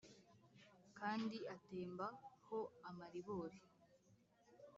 Kandi atemba ho amaribori